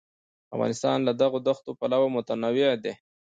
افغانستان له دغو دښتو پلوه متنوع دی.